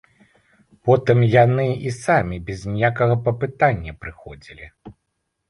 Потым яны і самі, без ніякага папытання, прыходзілі.